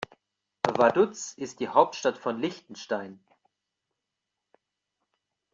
Vaduz ist die Hauptstadt von Liechtenstein.